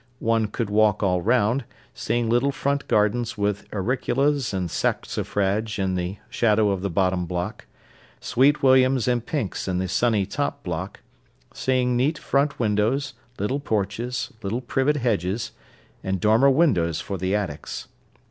One could walk all round, seeing little front gardens with auriculas and saxifrage in the shadow of the bottom block, sweet williams and pinks in the sunny top block; seeing neat front windows, little porches, little privet hedges, and dormer windows for the attics.